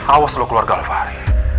awas lo keluarga alvari